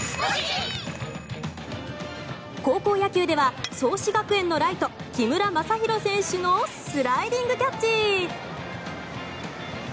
高校野球では創志学園のライト木村政裕選手のスライディングキャッチ！